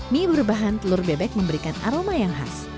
mie berbahan telur bebek memberikan aroma yang khas